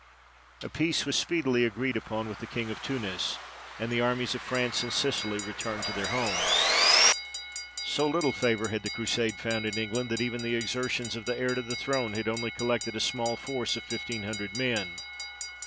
A peace was speedily agreed upon with the king of Tunis, and the armies of France and Sicily returned to their homes. [Illustration: SEAL OF EDWARD I.] So little favour had the Crusade found in England, that even the exertions of the heir to the throne had only collected a small force of fifteen hundred men.